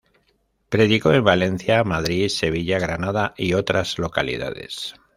Predicó en Valencia, Madrid, Sevilla, Granada y otras localidades.